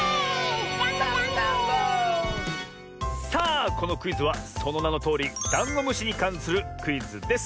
さあこのクイズはそのなのとおりダンゴムシにかんするクイズです。